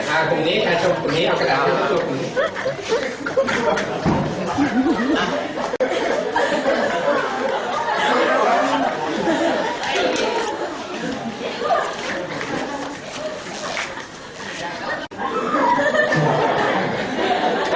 อ่าคุณนี้ถ้าชมคุณนี้เอาไปแล้วถ้าชมคุณนี้